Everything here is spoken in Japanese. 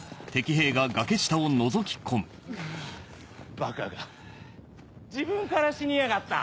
バカが自分から死にやがった。